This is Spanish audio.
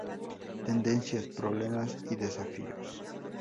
Tendencias, Problemas y Desafíos.